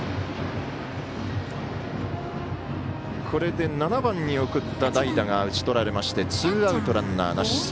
これで７番に送った代打が打ち取られましてツーアウト、ランナーなし。